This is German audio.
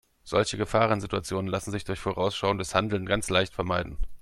Solche Gefahrensituationen lassen sich durch vorausschauendes Handeln ganz leicht vermeiden.